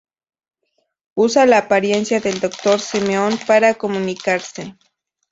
Usa la apariencia del Doctor Simeon para comunicarse.